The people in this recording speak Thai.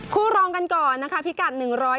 รองกันก่อนนะคะพิกัด๑๐